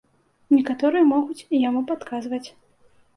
Некаторыя могуць яму падказваць.